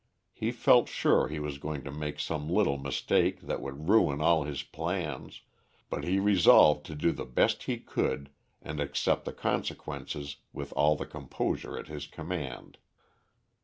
He felt sure he was going to make some little mistake that would ruin all his plans, but he resolved to do the best he could and accept the consequences with all the composure at his command.